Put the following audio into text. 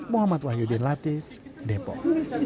muhammad wahyudin latif depok